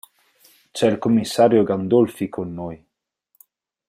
C'è il commissario Gandolfi con noi.